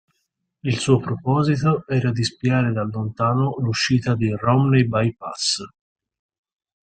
Il suo proposito era di spiare da lontano l'uscita di Romney Bypass.